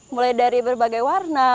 mulai dari berbagai warna